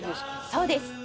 そうです。